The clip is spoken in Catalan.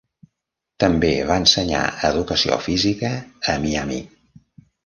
També va ensenyar educació física a Miami.